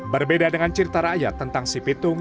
berbeda dengan cerita rakyat tentang si pitung